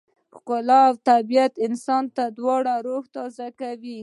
ښکلا او طبیعت د انسان روح تازه کوي.